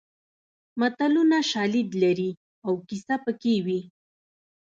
متلونه شالید لري او کیسه پکې وي